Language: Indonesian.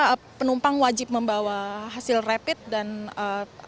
jadi setiap orang yang akan pergi keluar maupun masuk ke dki jakarta kita wajibkan untuk mengisi